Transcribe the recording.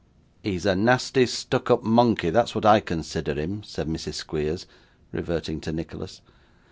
'He's a nasty stuck up monkey, that's what I consider him,' said Mrs Squeers, reverting to Nicholas.